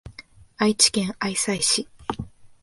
愛知県愛西市